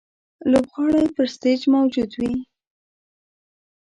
لوبغاړی پر سټېج موجود وي.